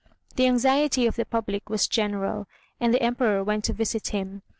The anxiety of the public was general, and the Emperor went to visit him.